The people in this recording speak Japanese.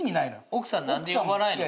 奥さん何で呼ばないの？